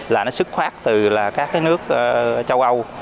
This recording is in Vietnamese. là nó sức khoát từ các nước châu âu